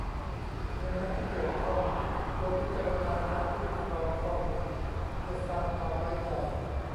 หน่วยงานที่เกี่ยวข้องควรพิจารณาการคุ้มครองข้อมูล เพื่อสร้างความไว้ใจ